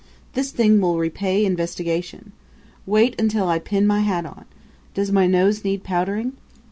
This thing will repay investigation. Wait until I pin my hat on. Does my nose need powdering?"